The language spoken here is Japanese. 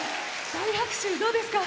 大拍手、どうですか？